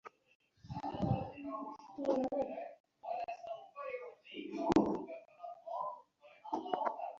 বিল্বন কহিলেন, শান্তি সুখ আপনার মধ্যেই আছে, কেবল জানিতে পাই না।